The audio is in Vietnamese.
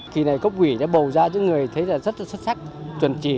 khi này cấp ủy bầu ra những người thấy rất xuất sắc chuẩn trí